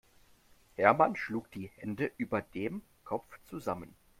Hermann schlug die Hände über dem Kopf zusammen.